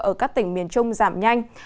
ở các tỉnh miền trung giảm nhanh